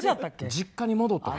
実家に戻ったら。